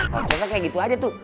konsepnya kayak gitu aja tuh